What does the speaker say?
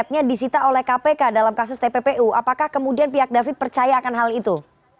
apakah disita oleh kpk dalam kasus tppu apakah kemudian pihak david percaya akan hal itu